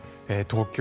東京